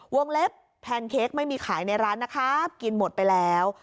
เล็บแพนเค้กไม่มีขายในร้านนะครับกินหมดไปแล้ว